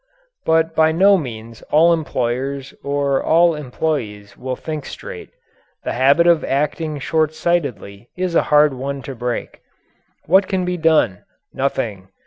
But by no means all employers or all employees will think straight. The habit of acting shortsightedly is a hard one to break. What can be done? Nothing.